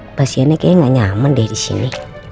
mbak siena kayaknya gak nyaman deh di sini